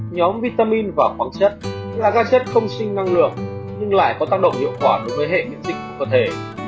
nhóm vitamin và khoáng chất là ga chất không sinh năng lượng nhưng lại có tác động hiệu quả đối với hệ miễn dịch của cơ thể